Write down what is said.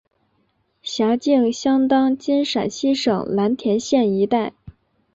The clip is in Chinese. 辖境相当今陕西省蓝田县一带。